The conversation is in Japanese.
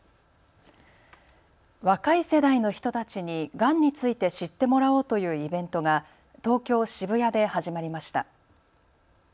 若い世代の人たちにがんについて知ってもらおうというイベントが東京渋谷で始まりました。